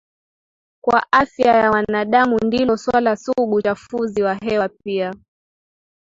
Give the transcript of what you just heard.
kwa afya ya wanadamu ndilo suala sugu uchafuzi wa hewa pia